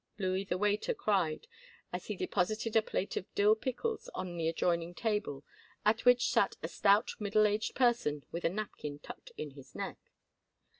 Louis, the waiter, cried, as he deposited a plate of dill pickles on the adjoining table, at which sat a stout middle aged person with a napkin tucked in his neck.